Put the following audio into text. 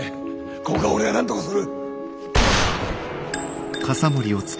ここは俺がなんとかする。